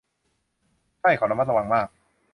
ใช่ เขาระมัดระวังมาก